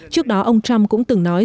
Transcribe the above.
trước đó ông trump cũng từng nói